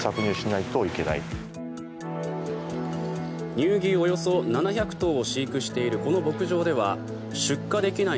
乳牛およそ７００頭を飼育しているこの牧場では出荷できない